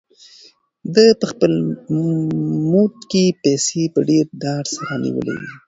ده په خپل موټ کې پیسې په ډېر ډاډ سره نیولې وې.